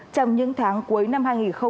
trong những tháng cuối năm hai nghìn hai mươi